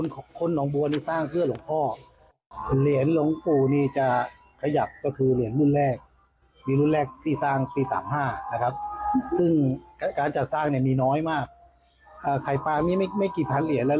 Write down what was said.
การจัดสร้างเนี่ยมีน้อยมากไข่ปลามีไม่กี่พันเหรียญแล้ว